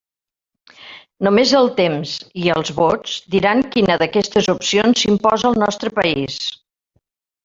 Només el temps —i els vots— diran quina d'aquestes opcions s'imposa al nostre país.